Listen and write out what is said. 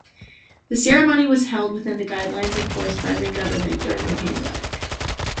The ceremony was held within the guidelines enforced by the government during the pandemic.